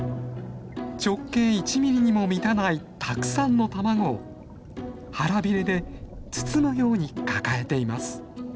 直径１ミリにも満たないたくさんの卵を腹びれで包むように抱えています。